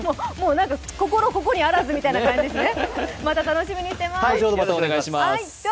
心ここにあらずみたいな感じですね。